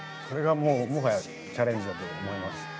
それがもう、もはやチャレンジだと思います。